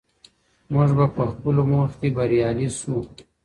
موږ به په خپلو موخو کي بریالي سو.